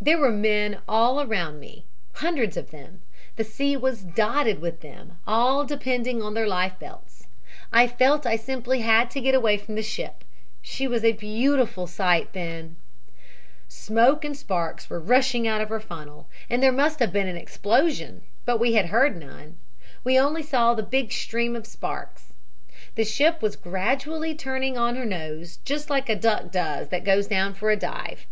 "There were men all around me hundreds of them. The sea was dotted with them, all depending on their life belts. I felt I simply had to get away from the ship. She was a beautiful sight then. "Smoke and sparks were rushing out of her funnel, and there must have been an explosion, but we had heard none. We only saw the big stream of sparks. The ship was gradually turning on her nose just like a duck does that goes down for a dive.